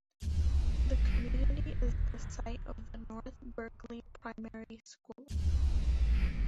The community is the site of the North Berkeley Primary School.